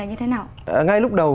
những sản phẩm của chuỗi này